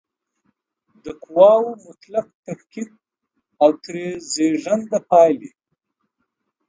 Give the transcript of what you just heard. د قواوو مطلق تفکیک او ترې زېږنده پایلې